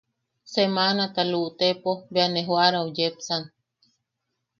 Semanata luʼutepo bea ne joʼarau yepsan.